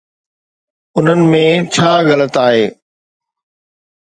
انهن ۾ ڇا غلط آهي؟